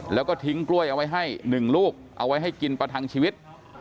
แล้วก็ทิ้งกล้วยเอาไว้ให้๑ลูกเอาไว้ให้กินประทังชีวิต